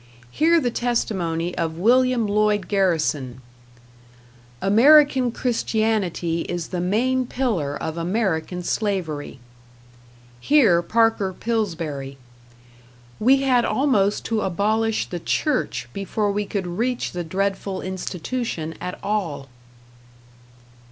Hear the testimony of William Lloyd Garrison: "American Christianity is the main pillar of American slavery." Hear Parker Pillsbury: "We had almost to abolish the Church before we could reach the dreadful institution at all."